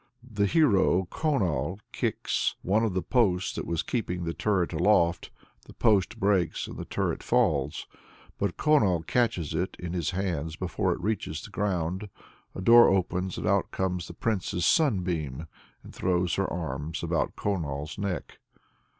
The hero Conall kicks "one of the posts that was keeping the turret aloft," the post breaks, and the turret falls, but Conall catches it in his hands before it reaches the ground, a door opens, and out comes the Princess Sunbeam, and throws her arms about Conall's neck.